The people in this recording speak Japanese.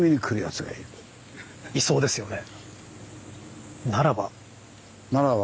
いそうですよね。